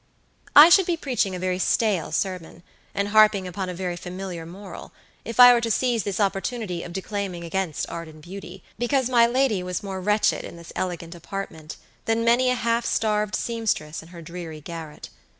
I should be preaching a very stale sermon, and harping upon a very familiar moral, if I were to seize this opportunity of declaiming against art and beauty, because my lady was more wretched in this elegant apartment than many a half starved seamstress in her dreary garret.